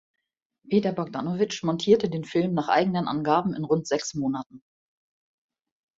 Peter Bogdanovich montierte den Film nach eigenen Angaben in rund sechs Monaten.